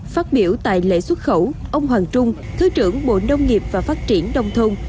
phát biểu tại lễ xuất khẩu ông hoàng trung thứ trưởng bộ nông nghiệp và phát triển đồng thông